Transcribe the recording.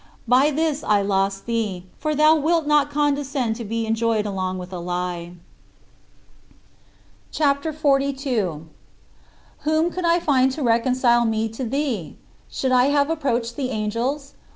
By this I lost thee, for thou wilt not condescend to be enjoyed along with a lie. CHAPTER XLII 67. Whom could I find to reconcile me to thee? Should I have approached the angels?